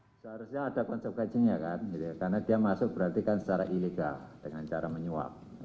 seharusnya ada konsekuensinya kan karena dia masuk berarti kan secara ilegal dengan cara menyuap